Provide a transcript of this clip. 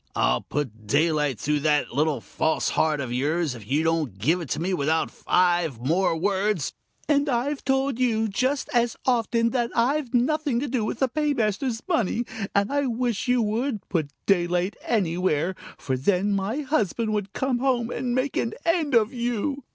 I'll put daylight through that little false heart of yours if you don't give it to me without five more words " "And I've told you just as often that I've nothing to do with the paymaster's money, and I wish you would put daylight anywhere, for then my husband would come home and make an end of you!"